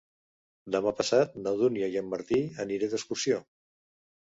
Demà passat na Dúnia i en Martí aniré d'excursió.